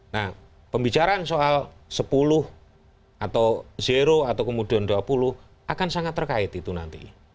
nah pembicaraan soal sepuluh atau zero atau kemudian dua puluh akan sangat terkait itu nanti